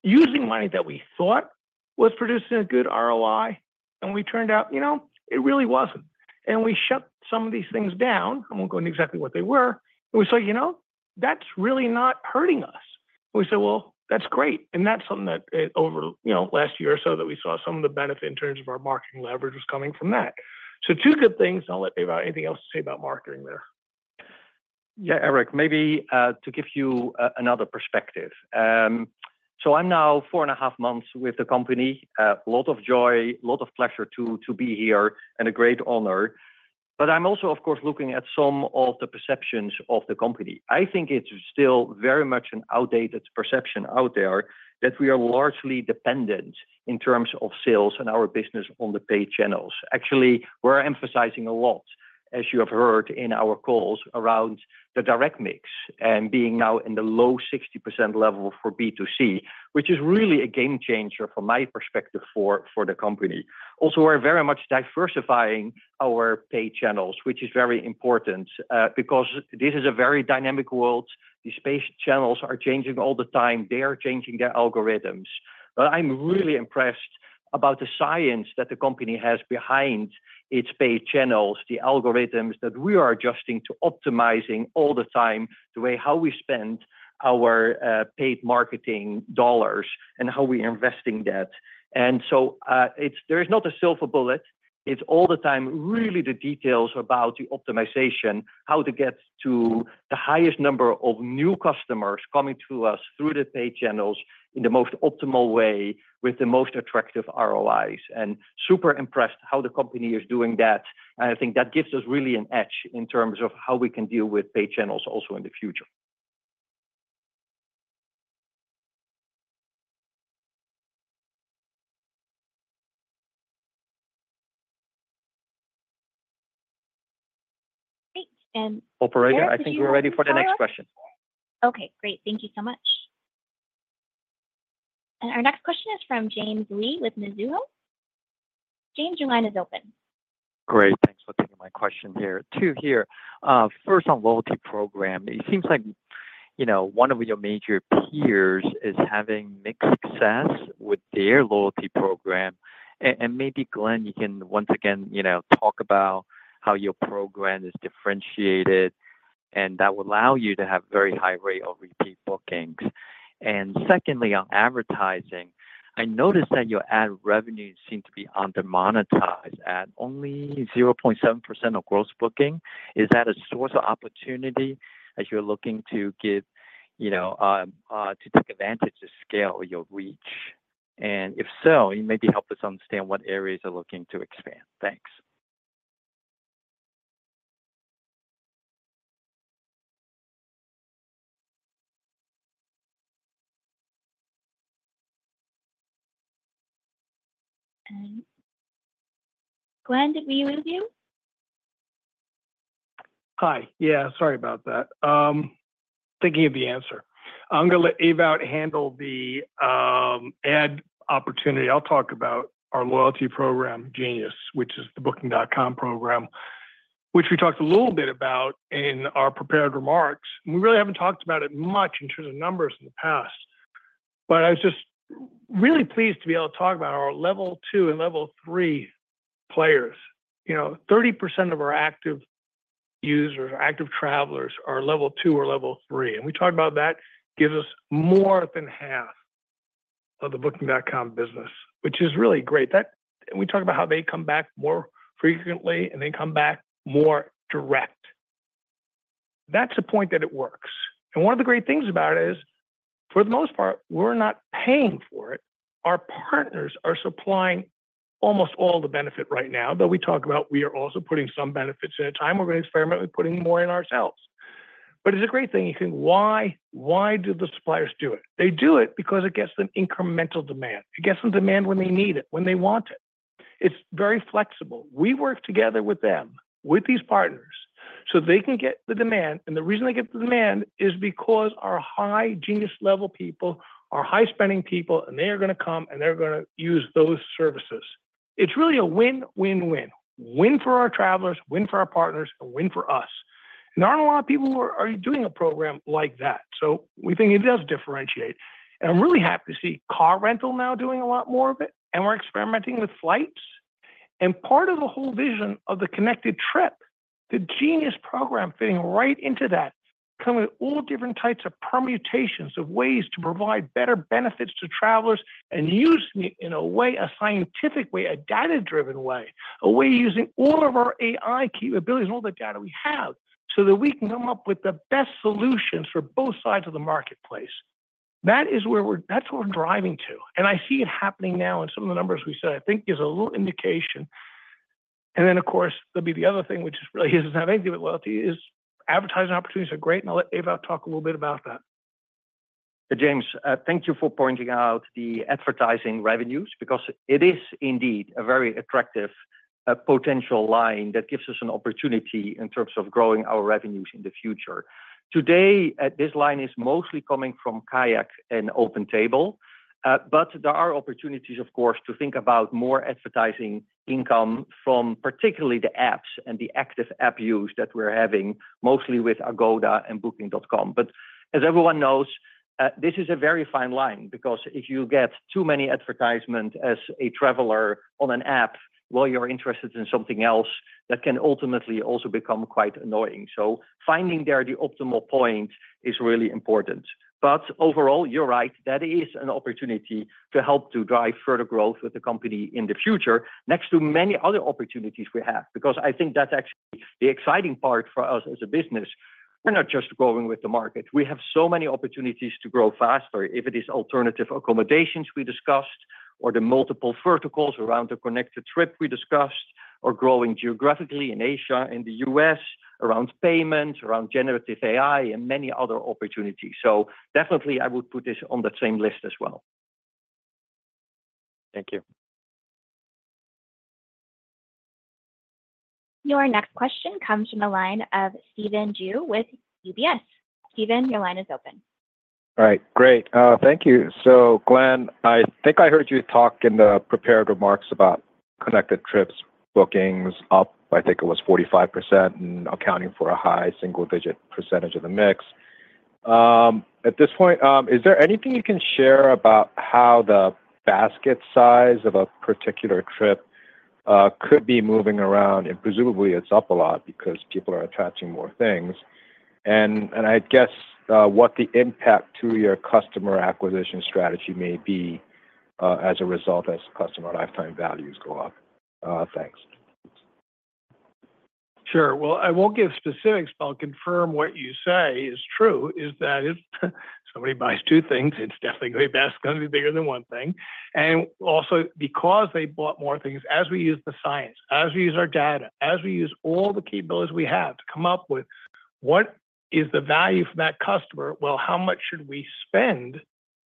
using money that we thought was producing a good ROI, and it turned out it really wasn't. And we shut some of these things down. I won't go into exactly what they were. And we saw, you know, that's really not hurting us. We said, well, that's great. And that's something that over the last year or so that we saw some of the benefit in terms of our marketing leverage was coming from that. So two good things. I'll let Ewout have anything else to say about marketing there. Yeah, Eric, maybe to give you another perspective. So I'm now four and a half months with the company. A lot of joy, a lot of pleasure to be here and a great honor. But I'm also, of course, looking at some of the perceptions of the company. I think it's still very much an outdated perception out there that we are largely dependent in terms of sales and our business on the paid channels. Actually, we're emphasizing a lot, as you have heard in our calls, around the direct mix and being now in the low 60% level for B2C, which is really a game changer from my perspective for the company. Also, we're very much diversifying our paid channels, which is very important because this is a very dynamic world. These paid channels are changing all the time. They are changing their algorithms. But I'm really impressed about the science that the company has behind its paid channels, the algorithms that we are adjusting to optimizing all the time, the way how we spend our paid marketing dollars and how we are investing that. And so there is not a silver bullet. It's all the time, really, the details about the optimization, how to get to the highest number of new customers coming to us through the paid channels in the most optimal way with the most attractive ROIs. And super impressed how the company is doing that. And I think that gives us really an edge in terms of how we can deal with paid channels also in the future. Great. Operator, I think we're ready for the next question. Okay. Great. Thank you so much. And our next question is from James Lee with Mizuho. James, your line is open. Great. Thanks for taking my question here too. First, on loyalty program, it seems like one of your major peers is having mixed success with their loyalty program. And maybe, Glenn, you can once again talk about how your program is differentiated, and that will allow you to have a very high rate of repeat bookings. And secondly, on advertising, I noticed that your ad revenues seem to be undermonetized, at only 0.7% of gross booking. Is that a source of opportunity as you're looking to take advantage to scale your reach? And if so, you maybe help us understand what areas you're looking to expand. Thanks. And Glenn, did we lose you? Hi. Yeah, sorry about that. Thinking of the answer. I'm going to let Ewout handle the ad opportunity. I'll talk about our loyalty program, Genius, which is the Booking.com program, which we talked a little bit about in our prepared remarks. We really haven't talked about it much in terms of numbers in the past. But I was just really pleased to be able to talk about our Level 2 and Level 3 players. 30% of our active users, active travelers, are level two or level three. And we talked about that gives us more than half of the Booking.com business, which is really great. And we talked about how they come back more frequently, and they come back more direct. That's a point that it works. And one of the great things about it is, for the most part, we're not paying for it. Our partners are supplying almost all the benefit right now, but we talk about we are also putting some benefits in a time. We're going to experiment with putting more in ourselves. But it's a great thing. You think, why do the suppliers do it? They do it because it gets them incremental demand. It gets them demand when they need it, when they want it. It's very flexible. We work together with them, with these partners, so they can get the demand. And the reason they get the demand is because our high Genius level people are high spending people, and they are going to come, and they're going to use those services. It's really a win, win, win. Win for our travelers, win for our partners, and win for us. And there aren't a lot of people who are doing a program like that. So we think it does differentiate. And I'm really happy to see car rental now doing a lot more of it, and we're experimenting with flights. And part of the whole vision of the Connected Trip, the Genius program fitting right into that, coming with all different types of permutations of ways to provide better benefits to travelers and use it in a way, a scientific way, a data-driven way, a way using all of our AI capabilities and all the data we have so that we can come up with the best solutions for both sides of the marketplace. That is where we're driving to. And I see it happening now in some of the numbers we said, I think is a little indication. And then, of course, there'll be the other thing, which is really isn't having to give it loyalty, is advertising opportunities are great. And I'll let Ewout talk a little bit about that. James, thank you for pointing out the advertising revenues because it is indeed a very attractive potential line that gives us an opportunity in terms of growing our revenues in the future. Today, this line is mostly coming from Kayak and OpenTable, but there are opportunities, of course, to think about more advertising income from particularly the apps and the active app use that we're having mostly with Agoda and Booking.com. But as everyone knows, this is a very fine line because if you get too many advertisements as a traveler on an app while you're interested in something else, that can ultimately also become quite annoying. So finding there the optimal point is really important. But overall, you're right, that is an opportunity to help to drive further growth with the company in the future next to many other opportunities we have because I think that's actually the exciting part for us as a business. We're not just growing with the market. We have so many opportunities to grow faster. If it is alternative accommodations we discussed or the multiple verticals around the Connected Trip we discussed or growing geographically in Asia and the U.S. around payments, around generative AI and many other opportunities. So definitely, I would put this on that same list as well. Thank you. Your next question comes from the line of Stephen Ju with UBS. Stephen, your line is open. All right. Great. Thank you. So, Glenn, I think I heard you talk in the prepared remarks about Connected Trips bookings up, I think it was 45% and accounting for a high single-digit percentage of the mix. At this point, is there anything you can share about how the basket size of a particular trip could be moving around? And presumably, it's up a lot because people are attaching more things. And I guess what the impact to your customer acquisition strategy may be as a result as customer lifetime values go up. Thanks. Sure. Well, I won't give specifics, but I'll confirm what you say is true, is that if somebody buys two things, it's definitely going to be best going to be bigger than one thing. Also because they bought more things, as we use the science, as we use our data, as we use all the capabilities we have to come up with what is the value for that customer, well, how much should we spend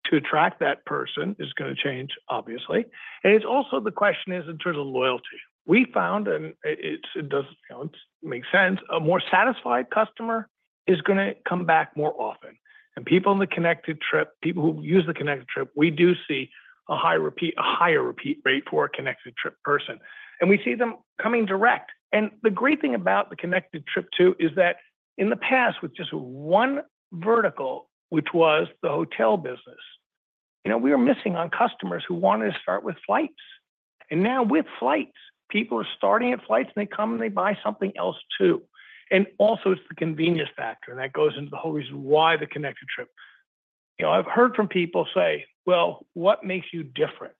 to attract that person is going to change, obviously. And it's also, the question is, in terms of loyalty. We found, and it makes sense, a more satisfied customer is going to come back more often. And people in the Connected Trip, people who use the Connected Trip, we do see a higher repeat rate for a Connected Trip person. And we see them coming direct. And the great thing about the Connected Trip too is that in the past, with just one vertical, which was the hotel business, we were missing on customers who wanted to start with flights. And now with flights, people are starting at flights, and they come and they buy something else too. And also it's the convenience factor, and that goes into the whole reason why the Connected Trip. I've heard from people say, "Well, what makes you different?"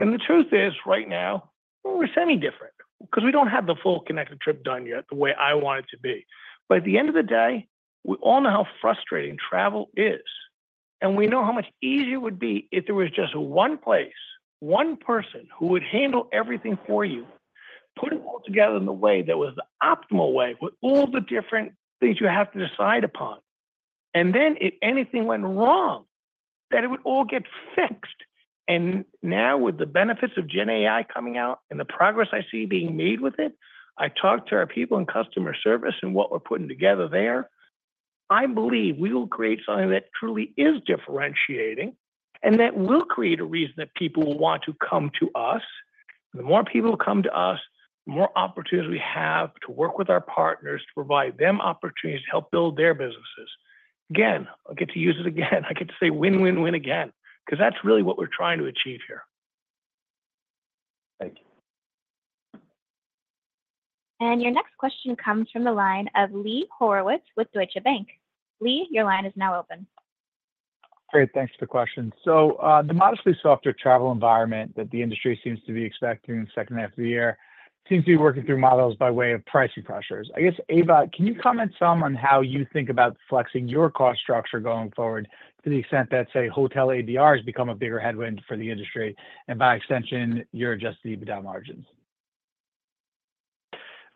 And the truth is right now, we're semi-different because we don't have the full Connected Trip done yet the way I want it to be. But at the end of the day, we all know how frustrating travel is. And we know how much easier it would be if there was just one place, one person who would handle everything for you, put it all together in the way that was the optimal way with all the different things you have to decide upon. And then if anything went wrong, that it would all get fixed. And now with the benefits of GenAI coming out and the progress I see being made with it, I talked to our people in customer service and what we're putting together there. I believe we will create something that truly is differentiating and that will create a reason that people will want to come to us. The more people come to us, the more opportunities we have to work with our partners to provide them opportunities to help build their businesses. Again, I'll get to use it again. I get to say win, win, win again because that's really what we're trying to achieve here. Thank you. Your next question comes from the line of Lee Horowitz with Deutsche Bank. Lee, your line is now open. Great. Thanks for the question. So the modestly softer travel environment that the industry seems to be expecting in the second half of the year seems to be working through models by way of pricing pressures. I guess, Ewout, can you comment some on how you think about flexing your cost structure going forward to the extent that, say, hotel ADR has become a bigger headwind for the industry and by extension, your adjusted EBITDA margins?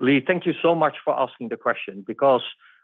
Lee, thank you so much for asking the question because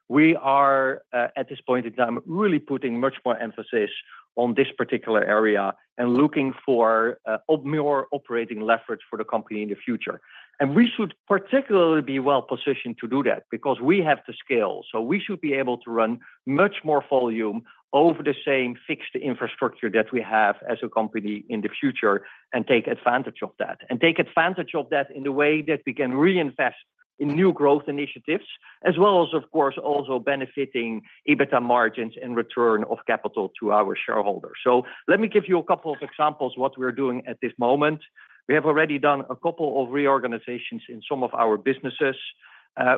we are, at this point in time, really putting much more emphasis on this particular area and looking for more operating leverage for the company in the future. And we should particularly be well positioned to do that because we have the scale. So we should be able to run much more volume over the same fixed infrastructure that we have as a company in the future and take advantage of that. And take advantage of that in the way that we can reinvest in new growth initiatives as well as, of course, also benefiting EBITDA margins and return of capital to our shareholders. So let me give you a couple of examples of what we're doing at this moment. We have already done a couple of reorganizations in some of our businesses.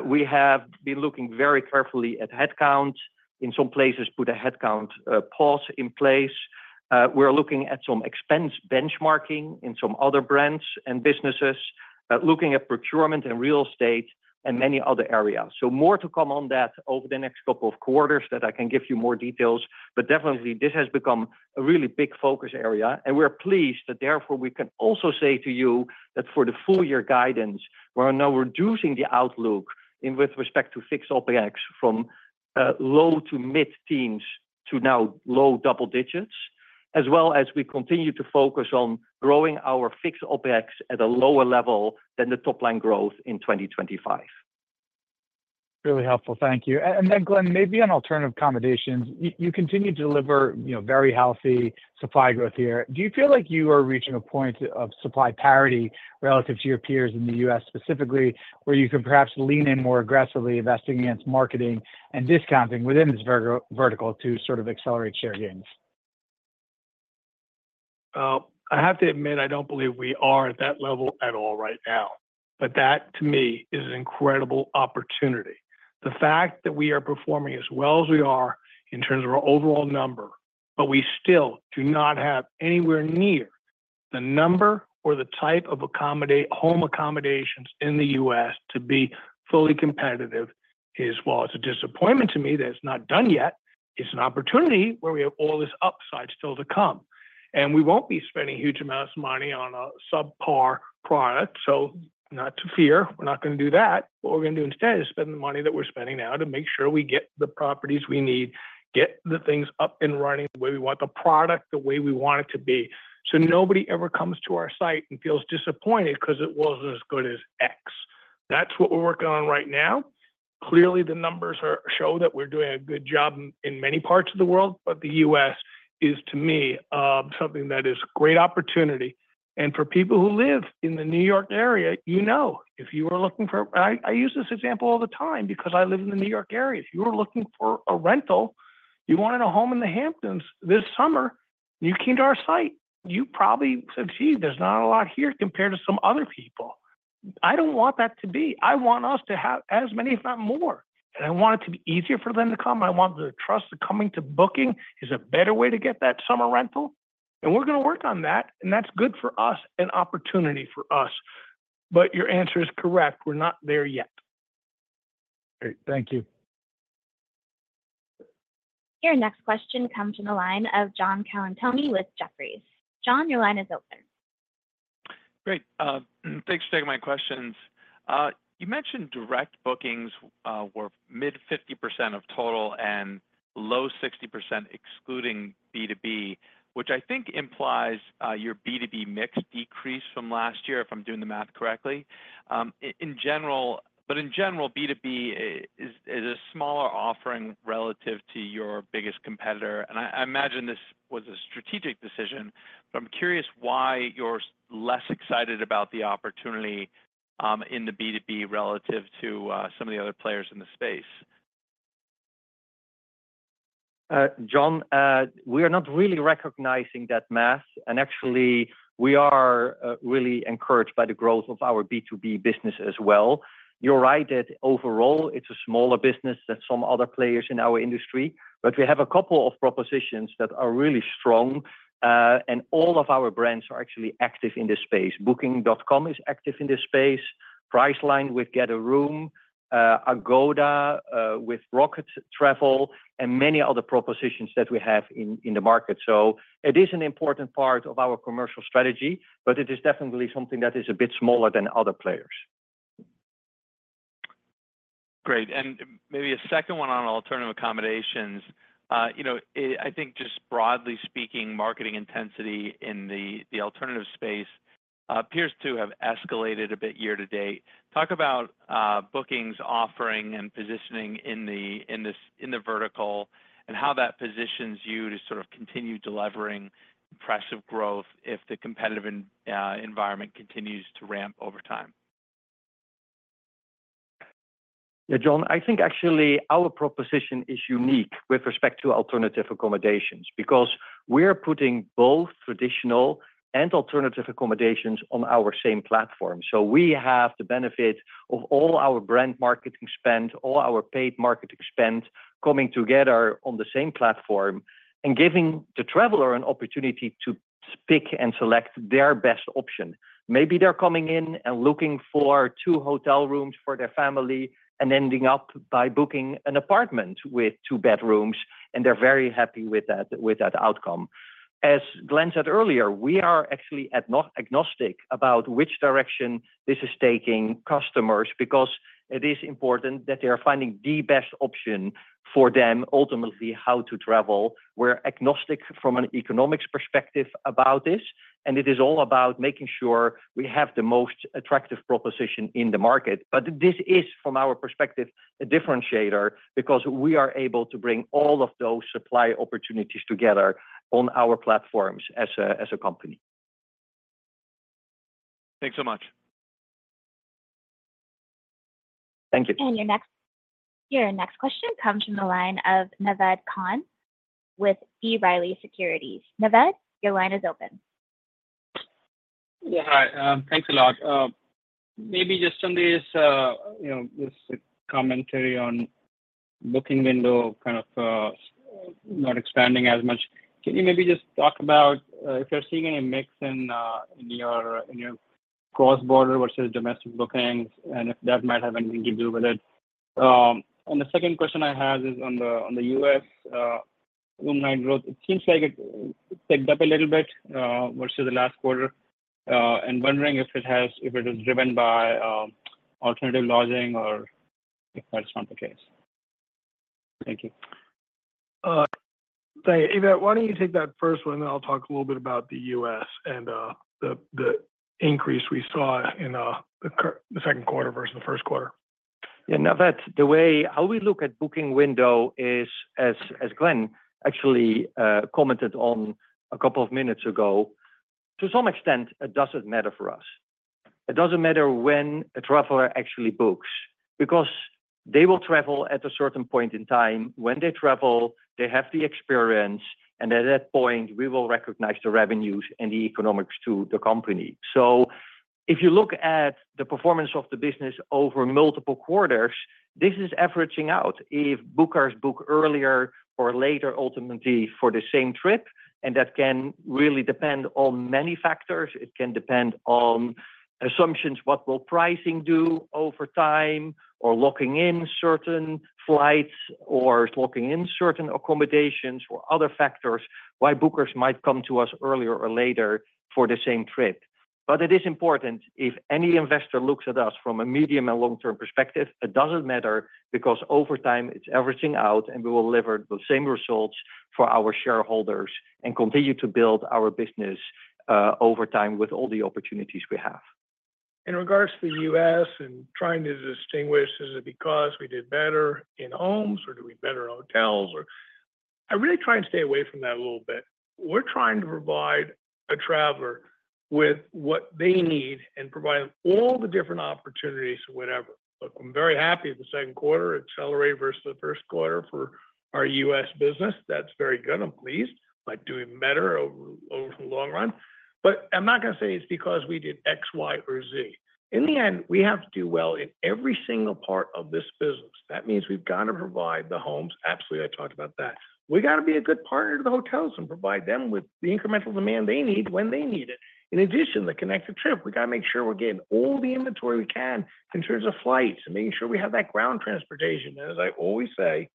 We have been looking very carefully at headcount. In some places, put a headcount pause in place. We're looking at some expense benchmarking in some other brands and businesses, looking at procurement and real estate and many other areas. So more to come on that over the next couple of quarters that I can give you more details. But definitely, this has become a really big focus area. And we're pleased that therefore we can also say to you that for the full year guidance, we're now reducing the outlook with respect to fixed OpEx from low to mid-teens to now low double digits, as well as we continue to focus on growing our fixed OpEx at a lower level than the top-line growth in 2025. Really helpful. Thank you. And then, Glenn, maybe on alternative accommodations, you continue to deliver very healthy supply growth here. Do you feel like you are reaching a point of supply parity relative to your peers in the U.S. specifically where you can perhaps lean in more aggressively investing against marketing and discounting within this vertical to sort of accelerate share gains? I have to admit, I don't believe we are at that level at all right now. But that, to me, is an incredible opportunity. The fact that we are performing as well as we are in terms of our overall number, but we still do not have anywhere near the number or the type of home accommodations in the U.S. to be fully competitive is, well, it's a disappointment to me that it's not done yet. It's an opportunity where we have all this upside still to come. And we won't be spending huge amounts of money on a subpar product. So not to fear, we're not going to do that. What we're going to do instead is spend the money that we're spending now to make sure we get the properties we need, get the things up and running the way we want the product, the way we want it to be. So nobody ever comes to our site and feels disappointed because it wasn't as good as X. That's what we're working on right now. Clearly, the numbers show that we're doing a good job in many parts of the world, but the U.S. is, to me, something that is a great opportunity. And for people who live in the New York area, you know, if you are looking for—I use this example all the time because I live in the New York area. If you were looking for a rental, you wanted a home in the Hamptons this summer, you came to our site. You probably said, "Gee, there's not a lot here compared to some other people." I don't want that to be. I want us to have as many, if not more. And I want it to be easier for them to come. I want the trust of coming to Booking is a better way to get that summer rental. And we're going to work on that. And that's good for us, an opportunity for us. But your answer is correct. We're not there yet. Great. Thank you. Your next question comes from the line of John Colantuoni with Jefferies. John, your line is open. Great. Thanks for taking my questions. You mentioned direct bookings were mid-50% of total and low-60% excluding B2B, which I think implies your B2B mix decreased from last year, if I'm doing the math correctly. But in general, B2B is a smaller offering relative to your biggest competitor. And I imagine this was a strategic decision, but I'm curious why you're less excited about the opportunity in the B2B relative to some of the other players in the space. John, we are not really recognizing that mass. And actually, we are really encouraged by the growth of our B2B business as well. You're right that overall, it's a smaller business than some other players in our industry. But we have a couple of propositions that are really strong. And all of our brands are actually active in this space. Booking.com is active in this space, Priceline with Getaroom, Agoda with Rocket Travel, and many other propositions that we have in the market. So it is an important part of our commercial strategy, but it is definitely something that is a bit smaller than other players. Great. And maybe a second one on alternative accommodations. I think just broadly speaking, marketing intensity in the alternative space appears to have escalated a bit year to date. Talk about Booking's offering and positioning in the vertical and how that positions you to sort of continue delivering impressive growth if the competitive environment continues to ramp over time. Yeah, John, I think actually our proposition is unique with respect to alternative accommodations because we're putting both traditional and alternative accommodations on our same platform. So we have the benefit of all our brand marketing spend, all our paid marketing spend coming together on the same platform and giving the traveler an opportunity to pick and select their best option. Maybe they're coming in and looking for two hotel rooms for their family and ending up by booking an apartment with two bedrooms, and they're very happy with that outcome. As Glenn said earlier, we are actually agnostic about which direction this is taking customers because it is important that they are finding the best option for them, ultimately how to travel. We're agnostic from an economics perspective about this. It is all about making sure we have the most attractive proposition in the market. But this is, from our perspective, a differentiator because we are able to bring all of those supply opportunities together on our platforms as a company. Thanks so much. Thank you. And your next question comes from the line of Naved Khan with B. Riley Securities. Naved, your line is open. Yeah, hi. Thanks a lot. Maybe just some days, just a commentary on booking window kind of not expanding as much. Can you maybe just talk about if you're seeing any mix in your cross-border versus domestic bookings and if that might have anything to do with it? And the second question I have is on the U.S. room night growth. It seems like it picked up a little bit versus the last quarter. And wondering if it is driven by alternative lodging or if that's not the case. Thank you. Thank you. Ewout, why don't you take that first one, and then I'll talk a little bit about the U.S. and the increase we saw in the second quarter versus the first quarter. Yeah, Naved, the way how we look at booking window is, as Glenn actually commented on a couple of minutes ago, to some extent, it doesn't matter for us. It doesn't matter when a traveler actually books because they will travel at a certain point in time. When they travel, they have the experience, and at that point, we will recognize the revenues and the economics to the company. So if you look at the performance of the business over multiple quarters, this is averaging out. If bookers book earlier or later ultimately for the same trip, and that can really depend on many factors. It can depend on assumptions, what will pricing do over time, or locking in certain flights or locking in certain accommodations or other factors why bookers might come to us earlier or later for the same trip. But it is important if any investor looks at us from a medium and long-term perspective, it doesn't matter because over time, it's averaging out, and we will deliver the same results for our shareholders and continue to build our business over time with all the opportunities we have. In regards to the U.S. and trying to distinguish, is it because we did better in homes or do we better in hotels? I really try and stay away from that a little bit. We're trying to provide a traveler with what they need and provide all the different opportunities or whatever. Look, I'm very happy the second quarter accelerated versus the first quarter for our U.S. business. That's very good. I'm pleased by doing better over the long run. But I'm not going to say it's because we did X, Y, or Z. In the end, we have to do well in every single part of this business. That means we've got to provide the homes. Absolutely, I talked about that. We got to be a good partner to the hotels and provide them with the incremental demand they need when they need it. In addition, the Connected Trip, we got to make sure we're getting all the inventory we can in terms of flights and making sure we have that ground transportation. And as I always say,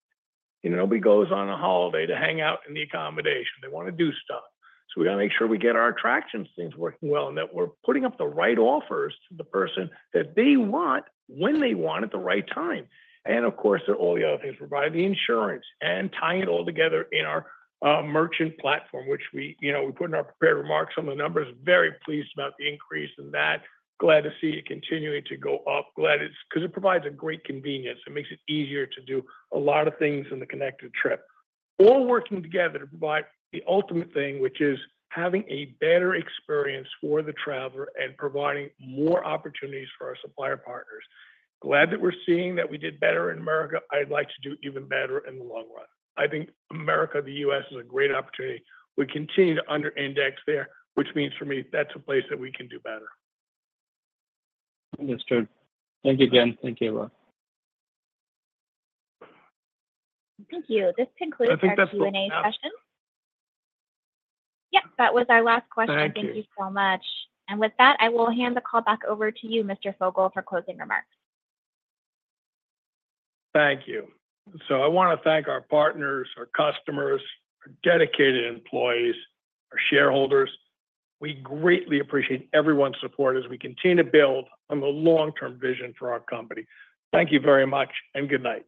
nobody goes on a holiday to hang out in the accommodation. They want to do stuff. So we got to make sure we get our attraction things working well and that we're putting up the right offers to the person that they want when they want at the right time. And of course, there are all the other things. We provide the insurance and tie it all together in our merchant platform, which we put in our prepared remarks on the numbers. Very pleased about the increase in that. Glad to see it continuing to go up. Glad it's because it provides a great convenience. It makes it easier to do a lot of things in the Connected Trip. All working together to provide the ultimate thing, which is having a better experience for the traveler and providing more opportunities for our supplier partners. Glad that we're seeing that we did better in America. I'd like to do even better in the long run. I think America, the U.S. is a great opportunity. We continue to underindex there, which means for me, that's a place that we can do better. Understood. Thank you again. Thank you a lot. Thank you. This concludes our Q&A session. Yep, that was our last question. Thank you so much. And with that, I will hand the call back over to you, Mr. Fogel, for closing remarks. Thank you. So I want to thank our partners, our customers, our dedicated employees, our shareholders. We greatly appreciate everyone's support as we continue to build on the long-term vision for our company. Thank you very much and good night.